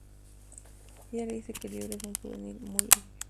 Ella le dice que el libro es muy juvenil, muy obvio.